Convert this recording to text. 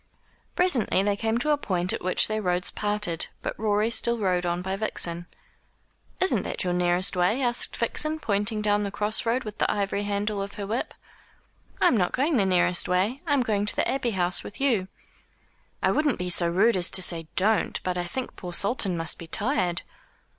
Presently they came to a point at which their roads parted, but Rorie still rode on by Vixen. "Isn't that your nearest way?" asked Vixen, pointing down the cross road with the ivory handle of her whip. "I am not going the nearest way. I am going to the Abbey House with you." "I wouldn't be so rude as to say Don't, but I think poor Sultan must be tired."